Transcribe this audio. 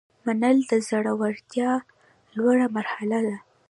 منل د زړورتیا لوړه مرحله ده.